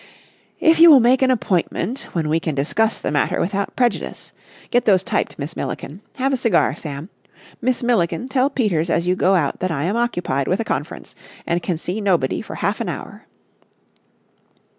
"... if you will make an appointment, when we can discuss the matter without prejudice. Get those typed, Miss Milliken. Have a cigar, Sam. Miss Milliken, tell Peters as you go out that I am occupied with a conference and can see nobody for half an hour."